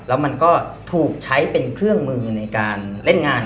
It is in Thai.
แล้วมันก็ถูกใช้เป็นเครื่องมือในการเล่นงาน